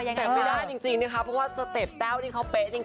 ยังไงไม่ได้จริงนะคะเพราะว่าสเปตแต้วที่เขาเปซจริงค่ะ